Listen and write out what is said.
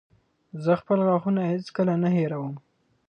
زه خپل غاښونه هېڅکله نه هېروم.